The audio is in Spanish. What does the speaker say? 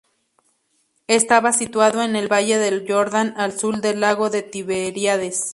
Estaba situado en el valle del Jordán, al sur del lago de Tiberíades.